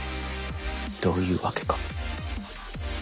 どういうわけか